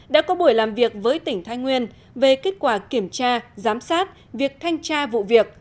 đã có buổi làm việc với tỉnh thái nguyên về kết quả kiểm tra giám sát việc thanh tra vụ việc